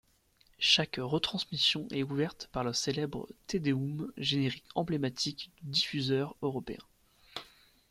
Chaque retransmission est ouverte par le célèbre Te Deum, générique emblématique du diffuseur européen.